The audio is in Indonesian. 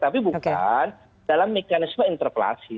tapi bukan dalam mekanisme interpelasi